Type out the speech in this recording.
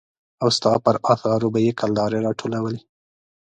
او ستا پر اثارو به يې کلدارې را ټولولې.